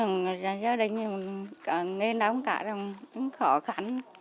giờ gia đình nghề đóng cả khó khăn